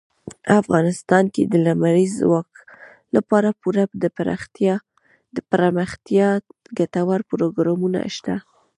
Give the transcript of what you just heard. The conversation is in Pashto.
افغانستان کې د لمریز ځواک لپاره پوره دپرمختیا ګټور پروګرامونه شته دي.